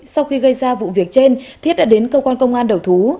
sau khi gây ra vụ việc trên thiết đã đến cơ quan công an đầu thú